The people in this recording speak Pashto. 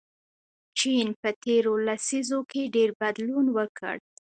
چین په تیرو لسیزو کې ډېر بدلون وکړ.